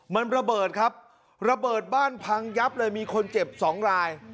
มันระเบิดครับระเบิดบ้านพังยับเลยมีคนเจ็บสองราย